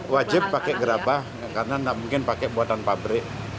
wajib pakai gerabah karena tidak mungkin pakai buatan pabrik